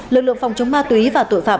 lực lượng phòng chống ma túy và tội phạm